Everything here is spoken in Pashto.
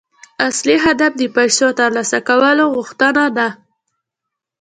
اصلي هدف د پيسو ترلاسه کولو غوښتنه ده.